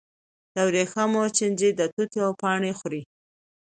د ورېښمو چینجي د توت پاڼې خوري.